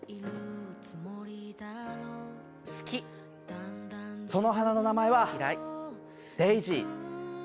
好き嫌いその花の名前はデイジー。